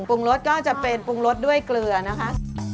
ปรุงรสก็จะเป็นปรุงรสด้วยเกลือนะคะ